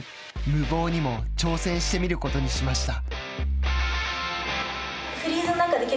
無謀にも挑戦してみることにしました。